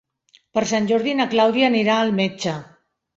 Per Sant Jordi na Clàudia anirà al metge.